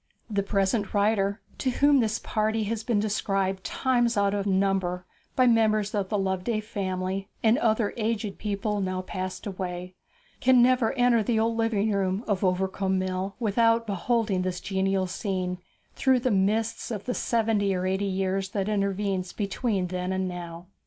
The present writer, to whom this party has been described times out of number by members of the Loveday family and other aged people now passed away, can never enter the old living room of Overcombe Mill without beholding the genial scene through the mists of the seventy or eighty years that intervene between then and now.